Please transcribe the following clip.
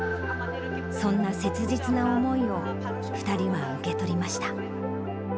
そんな切実な思いを２人は受け取りました。